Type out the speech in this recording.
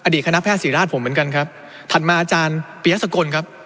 คณะแพทยศรีราชผมเหมือนกันครับถัดมาอาจารย์ปียสกลครับ